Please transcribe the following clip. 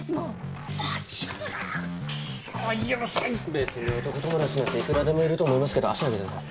べつに男友達なんていくらでもいると思いますけど足上げてください。